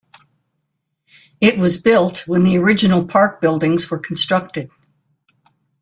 It was built when the original park buildings were constructed.